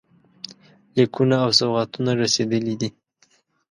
لیکونه او سوغاتونه رسېدلي دي.